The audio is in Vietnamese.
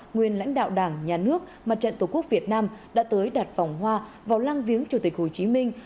nguyên lãnh đạo đảng nhà nước mặt trận tổ quốc việt nam đã tới đặt vòng hoa vào lăng viếng chủ tịch hồ chí minh